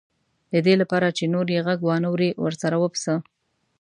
د دې لپاره چې نور یې غږ وانه وري ورسره وپسه.